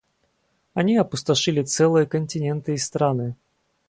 Они опустошили целые континенты и страны.